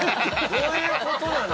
◆どういうことなの？